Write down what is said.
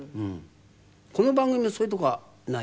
この番組もそういうとこはない？